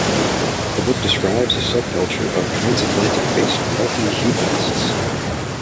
The book describes a subculture of transatlantic-based wealthy hedonists.